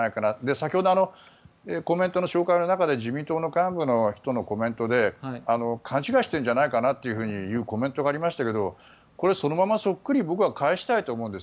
先ほどコメントの紹介の中で自民党の幹部の人のコメントで勘違いしてるんじゃないかなというコメントがありましたけどこれ、そのままそっくり僕は返したいと思うんです。